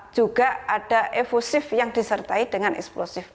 juga ada evosif yang disertai dengan eksplosif